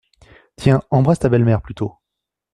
Tiens, embrasse ta belle-mère, plutôt.